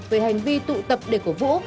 với hành vi tụ tập để cổ vũ